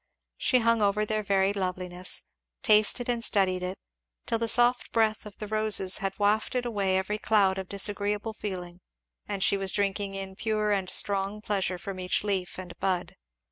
She hung over their varied loveliness, tasted and studied it, till the soft breath of the roses had wafted away every cloud of disagreeable feeling and she was drinking in pure and strong pleasure from each leaf and bud.